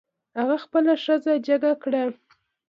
هغه خپله ښځه جګه کړه.